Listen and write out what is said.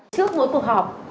trước mỗi cuộc họp